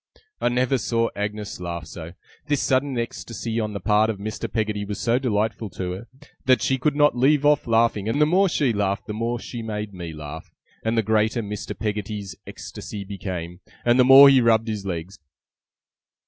I never saw Agnes laugh so. This sudden ecstasy on the part of Mr. Peggotty was so delightful to her, that she could not leave off laughing; and the more she laughed the more she made me laugh, and the greater Mr. Peggotty's ecstasy became, and the more he rubbed his legs.